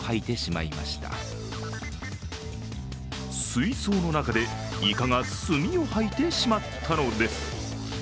水槽の中でイカが墨を吐いてしまったのです。